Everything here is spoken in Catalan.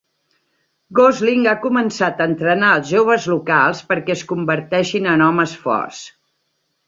Gosling ha començat a entrenar els joves locals perquè es converteixin en homes forts.